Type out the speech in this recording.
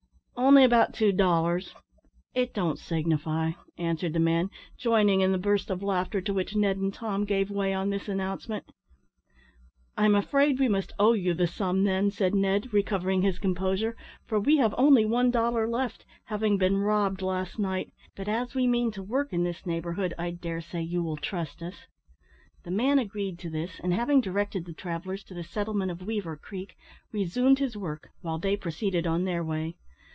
"Only about two dollars it don't signify," answered the man, joining in the burst of laughter to which Ned and Tom gave way on this announcement. "I'm afraid we must owe you the sum, then," said Ned, recovering his composure, "for we have only one dollar left, having been robbed last night; but as we mean to work in this neighbourhood, I dare say you will trust us." The man agreed to this, and having directed the travellers to the settlement of Weaver Creek, resumed his work, while they proceeded on their way.